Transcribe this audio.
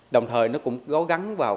đồng thời nó cũng gói gắn vào